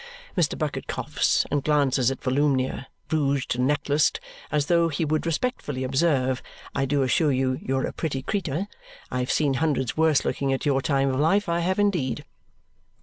Mr. Bucket coughs and glances at Volumnia, rouged and necklaced, as though he would respectfully observe, "I do assure you, you're a pretty creetur. I've seen hundreds worse looking at your time of life, I have indeed."